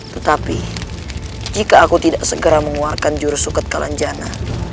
tetapi jika aku tidak segera mengeluarkan jurus suket kalanjana